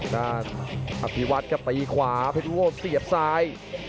ด้านอภิวัตกับปีขวาเพชรวีโว้เสียบซ้าย